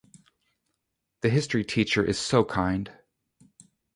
The history teacher is so kind.